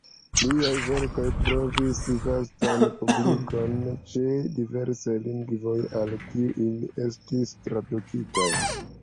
Liaj verkoj trovis vastan publikon ĉe diversaj lingvoj al kiuj ili estis tradukitaj.